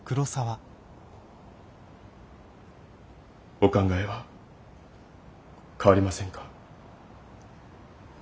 お考えは変わりませんか？